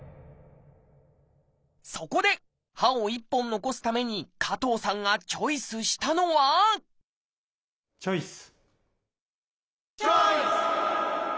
そこで歯を１本残すために加藤さんがチョイスしたのはチョイス！